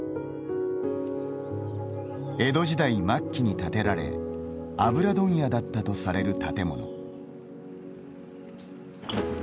江戸時代末期に建てられ油問屋だったとされる建物。